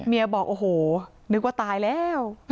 บอกโอ้โหนึกว่าตายแล้ว